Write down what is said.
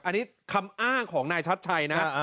อันนี้คำอ้างของนายชัดชัยนะ